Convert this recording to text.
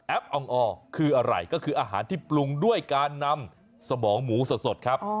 อองออร์คืออะไรก็คืออาหารที่ปรุงด้วยการนำสมองหมูสดครับ